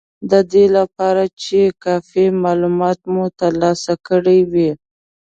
د دې لپاره چې کافي مالومات مو ترلاسه کړي وي